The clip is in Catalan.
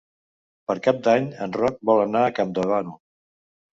Per Cap d'Any en Roc vol anar a Campdevànol.